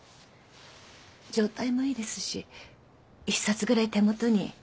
状態もいいですし一冊ぐらい手元に。